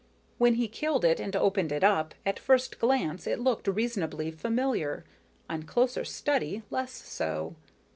When he killed it and opened it up, at first glance it looked reasonably familiar, on closer study less so.